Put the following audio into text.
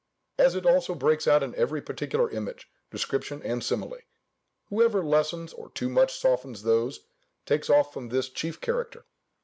As it also breaks out in every particular image, description, and simile, whoever lessens or too much softens those, takes off from this chief character.